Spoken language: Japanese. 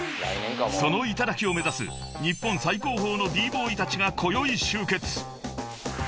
［その頂を目指す日本最高峰のＢ−ＢＯＹたちがこよい集結］